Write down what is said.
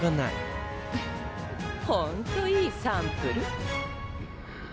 フッほんといいサンプル。